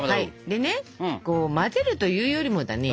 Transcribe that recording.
でねこう混ぜるというよりもだね。